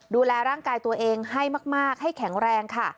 ดูแลร่างกายตัวเองให้มากให้แข็งแรงค่ะ